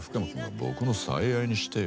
僕の「最愛」にしてよ。